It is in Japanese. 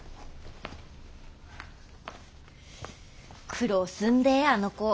苦労すんであの子。